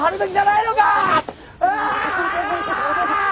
お義父さん